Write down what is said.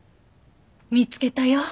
「見つけたよ